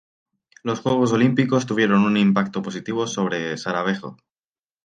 Los Juegos Olímpicos tuvieron un impacto positivo sobre Sarajevo.